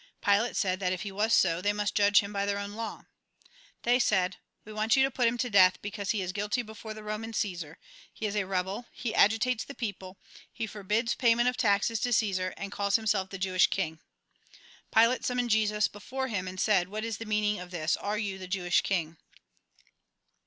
Pilate said that if he was so, they must judge him by their own law. They said :" We want you to put him to death, because he is guilty before the Eoman Ctesar ; he is a rebel, he agitates the people, he forbids payment of taxes to Cossar, and calls himself the Jewish king." Pilate summoned Jesus before him, and said :" What is the meaning of this ; are you the Jewish king